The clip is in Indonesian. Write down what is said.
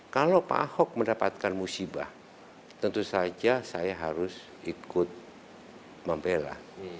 kalau pak ahok mendapatkan musibah tentu saja saya harus ikut membela